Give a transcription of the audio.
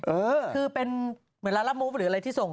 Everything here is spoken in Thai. เออคือเป็นเหมือนร้านละมุฟหรืออะไรที่ส่ง